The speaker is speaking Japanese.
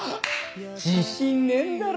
自信ねえんだろ。